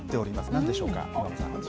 なんでしょうか。